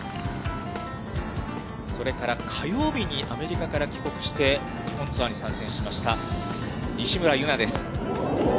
それから火曜日にアメリカから帰国して、日本ツアーに参戦しました、西村優菜です。